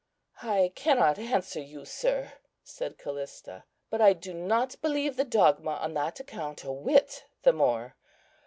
"I cannot answer you, sir," said Callista, "but I do not believe the dogma on that account a whit the more.